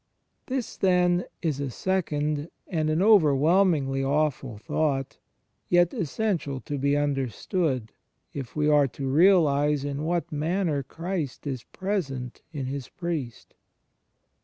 ... This, then, is a second, and an overwhelmingly awful thought, yet essential to be understood, if we are to realize in what manner Christ is present in His priest.